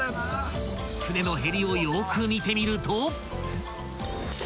［船のへりをよーく見てみると］